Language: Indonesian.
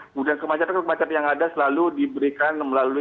kemudian kemacetan kemacetan yang ada selalu diberikan melalui